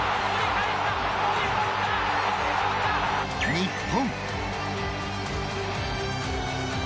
日本。